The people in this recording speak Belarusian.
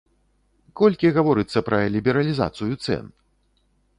Колькі гаворыцца пра лібералізацыю цэн?